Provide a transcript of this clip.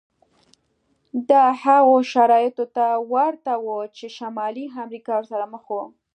دا هغو شرایطو ته ورته و چې شمالي امریکا ورسره مخ وه.